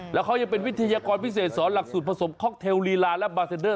แล้วเขายังเป็นวิทยากรพิเศษสอนหลักสูตรผสมค็อกเทลลีลาและบาเซนเดอร์